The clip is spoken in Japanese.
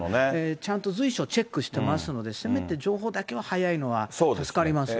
ちゃんと随所チェックしてますので、せめて情報だけは早いのは助かります。